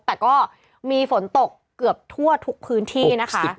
แต่ก็มีฝนตกเกือบทั่วทุกพื้นที่นะคะ